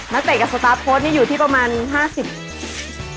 นักเตะกับสตาร์ทโพสต์นี่อยู่ที่ประมาณ๕๐คน